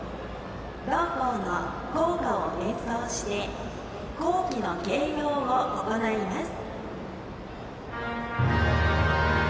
同校の校歌を演奏して校旗の掲揚を行います。